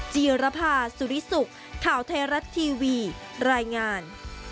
จีรภาสุริสุขข่าวไทยรัฐทีวีรายงาน